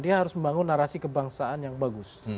dia harus membangun narasi kebangsaan yang bagus